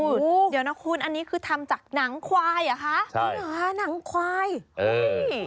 เดี๋ยวนะคุณอันนี้คือทำจากหนังขวายหรือคะ